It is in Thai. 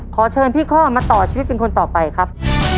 ขอเชิญพี่ข้อมาต่อชีวิตเป็นคนต่อไปครับ